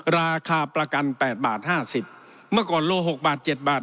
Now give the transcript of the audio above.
ราคาประกัน๘บาท๕๐เมื่อก่อนโลหกบาทเจ็ดบาท